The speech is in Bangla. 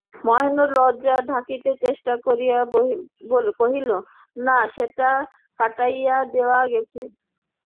মহেন্দ্র লজ্জা ঢাকিতে চেষ্টা করিয়া কহিল, না, সেটা কাটাইয়া দেওয়া গেছে।